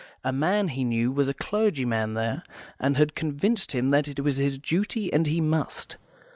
A man he knew was a clergyman there, and had convinced him that it was his duty and he must.